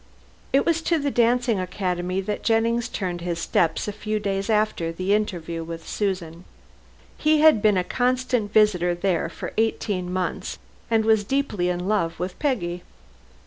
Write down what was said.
It was to the Dancing Academy that Jennings turned his steps a few days after the interview with Susan. He had been a constant visitor there for eighteen months and was deeply in love with Peggy.